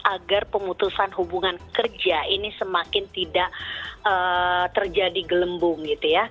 agar pemutusan hubungan kerja ini semakin tidak terjadi gelembung gitu ya